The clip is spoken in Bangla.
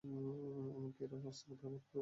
এমনকি এরা অস্ত্র ব্যবহার করতেও সক্ষম।